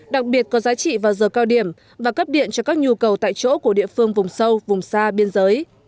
đặc biệt có giá trị vào giờ cao điểm và cấp điện cho các nhu cầu tại chỗ của địa phương vùng sâu vùng xa biên giới